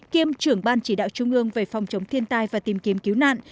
kiêm trưởng ban chỉ đạo trung ương về phòng chống thiên tai và tìm kiếm cứu nạn